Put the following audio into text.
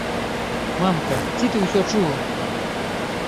Мамка, ці ты ўсё чула?